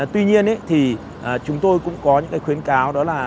tuy nhiên thì chúng tôi cũng có những cái khuyến cáo đó là